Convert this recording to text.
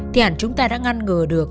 thì hẳn chúng ta đã ngăn ngừa được